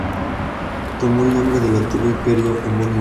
Tomó el nombre del antiguo imperio homónimo.